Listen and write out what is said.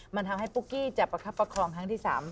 มันทำให้ปุ๊กกี้จะประคับประคองครั้งที่๓